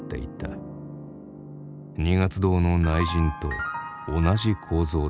二月堂の内陣と同じ構造だ。